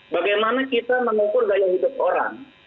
bagaimana kita mengukur gaya hidup orang